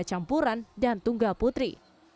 kecampuran dan tunggaputri